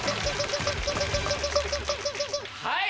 はい！